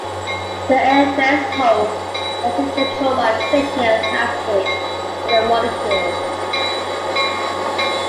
The error threshold is also controlled by the fitness landscape for the molecules.